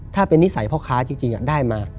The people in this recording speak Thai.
ถ้าเป็นนิสัยพ่อค้าจริงได้มา